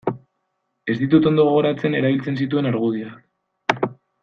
Ez ditut ondo gogoratzen erabiltzen zituen argudioak.